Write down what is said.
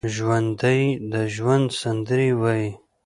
ژوندي د ژوند سندرې وايي